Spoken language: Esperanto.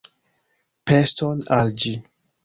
Peston al ĝi!